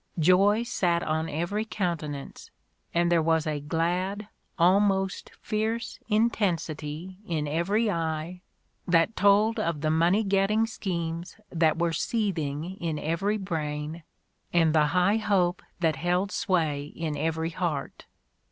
... Joy sat on every countenance, and there was a glad, almost fierce, intensity in every eye that told of the money getting schemes that were seething in every brain and the high hope that held sway in every heart.